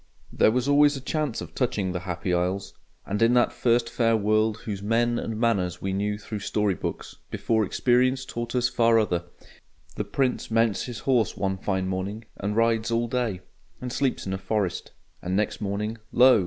There was always a chance of touching the Happy Isles. And in that first fair world whose men and manners we knew through story books, before experience taught us far other, the Prince mounts his horse one fine morning, and rides all day, and sleeps in a forest; and next morning, lo!